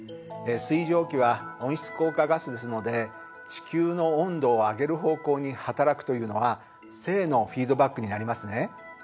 水蒸気は温室効果ガスですので地球の温度を上げる方向に働くというのは正のフィードバックになりますね。